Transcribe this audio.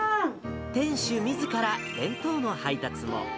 店主みずから弁当の配達も。